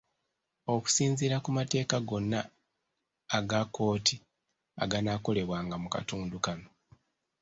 Okusinziira ku mateeka gonna aga kkooti aganaakolebwanga mu katundu kano.